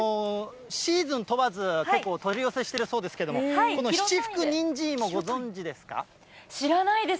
シーズン問わず、結構、取り寄せしているそうですけれども、知らないです。